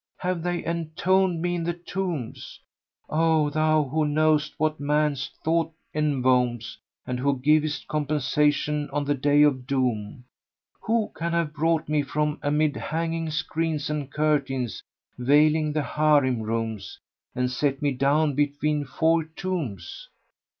have they entombed me in the tombs? O Thou who knowest what man's thought enwombs and who givest compensation on the Day of Doom, who can have brought me from amid hanging screens and curtains veiling the Harím rooms and set me down between four tombs?"